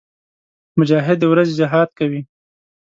مجاهد د ورځې جهاد کوي.